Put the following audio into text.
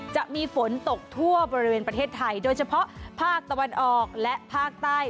จะมีฝนตกทั่วบริเวณประเทศไทยโดยเฉพาะภาคตะวันออกและภาคใต้